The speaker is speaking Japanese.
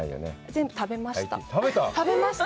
全部食べました。